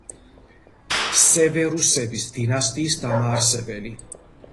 სევერუსების დინასტიის დამაარსებელი.